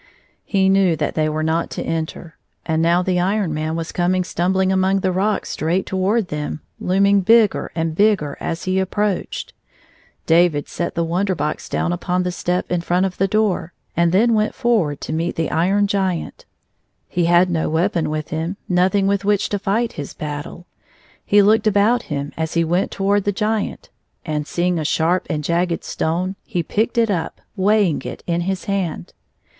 He knew that they were not to enter, and now the Iron Man was coming stumbling among the rocks straight toward them, looming bigger and bigger as he approached. David set the Wonder Box down upon the step in front of the door, and then went forward to meet the Iron Giant. He had no weapon with him, nothing with which to fight his battle. He looked about him as he went toward the Giant, and seeing a sharp and jagged stone, he picked it up, weighing it in his hand.